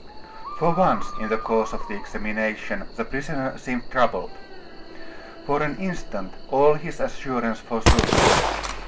For once, in the course of the examination, the prisoner seemed troubled. For an instant all his assurance forsook him.